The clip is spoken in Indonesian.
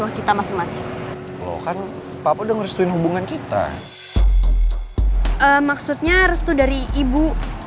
iya kita harus dapetin restu dari ibu